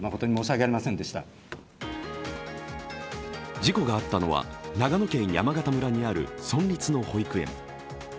事故があったのは長野県山形村にある村立の保育園。